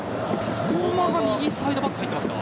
相馬が右サイドバックに入っていますか。